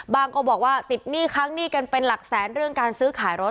ก็บอกว่าติดหนี้ค้างหนี้กันเป็นหลักแสนเรื่องการซื้อขายรถ